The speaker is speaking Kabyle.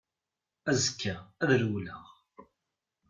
Azekka ad rewleɣ.